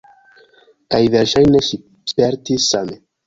Kaj verŝajne ŝi spertis same.